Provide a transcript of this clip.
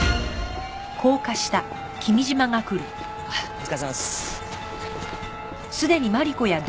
お疲れさまです。